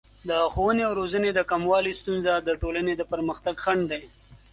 د ښوونې او روزنې د کموالي ستونزه د ټولنې د پرمختګ خنډ دی.